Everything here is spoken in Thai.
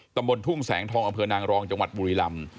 ตำบลทุ่งแสงทองอำเภอนางรองจังหวัดบุรีลำ